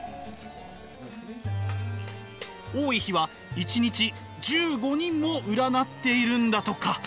多い日は１日１５人も占っているんだとか。